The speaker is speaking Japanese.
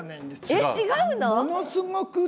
えっ違うの？